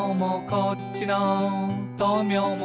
「こっちの豆苗も」